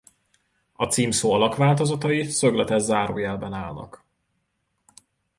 A címszó alakváltozatai szögletes zárójelben állnak.